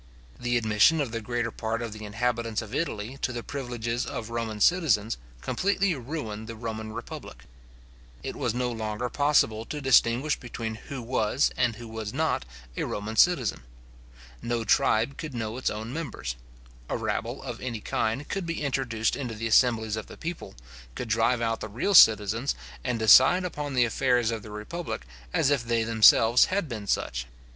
The admission of the greater part of the inhabitants of Italy to the privileges of Roman citizens, completely ruined the Roman republic. It was no longer possible to distinguish between who was, and who was not, a Roman citizen. No tribe could know its own members. A rabble of any kind could be introduced into the assemblies of the people, could drive out the real citizens, and decide upon the affairs of the republic, as if they themselves had been such.